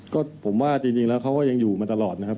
ก็ผมว่าจริงแล้วเขาก็ยังอยู่มาตลอดนะครับ